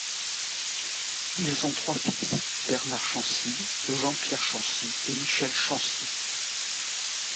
Ils ont trois fils, Bernard Chancy, Jean-Pierre Chancy et Michel Chancy.